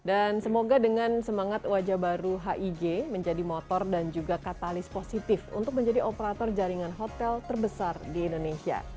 dan semoga dengan semangat wajah baru hig menjadi motor dan juga katalis positif untuk menjadi operator jaringan hotel terbesar di indonesia